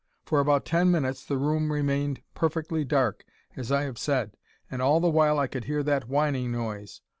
"For about ten minutes the room remained perfectly dark, as I have said, and all the while I could hear that whining noise.